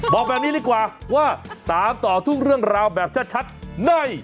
บอกแบบนี้ดีกว่าว่าตามต่อทุกเรื่องราวแบบชัดใน